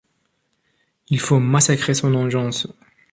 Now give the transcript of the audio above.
il faut massacrer son engeance.